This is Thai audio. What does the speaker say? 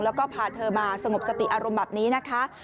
แล้วก็พาเธอมาสงบสติอารมณ์แบบนี้นะคะ